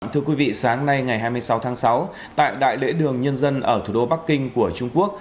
thưa quý vị sáng nay ngày hai mươi sáu tháng sáu tại đại lễ đường nhân dân ở thủ đô bắc kinh của trung quốc